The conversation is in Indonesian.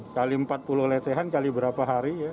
kali empat puluh lesehan kali berapa hari ya